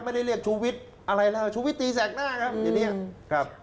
ไม่ได้เรียกชุวิตอะไรแล้วชุวิตตีแสกหน้าครับอย่างนี้